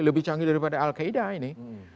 lebih canggih daripada al qaeda ini